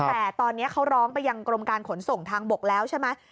แต่ตอนนี้เขาร้องไปยังกรมการขนส่งทางบกแล้วใช่ไหม